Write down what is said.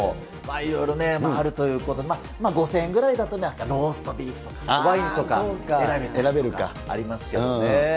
いろいろあるということで、５０００円ぐらいだと、ローストビーフとか、ワインとか選べてありますけどね。